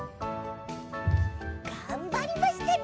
がんばりましたね。